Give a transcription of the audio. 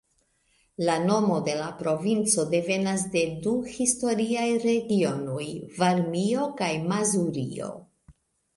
La nomo de la provinco devenas de du historiaj regionoj: Varmio kaj Mazurio.